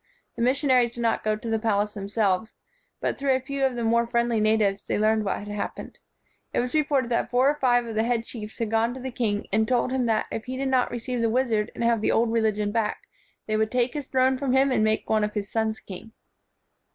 The mission aries did not go to the palace themselves; but, through a few of the more friendly na tives, they learned what had happened. It was reported that four or five of the head chiefs had gone to the king and told him that 131 WHITE MAN OF WORK if he did not receive the wizard and have the old religion back, they would take his throne from him and make one of his sons king.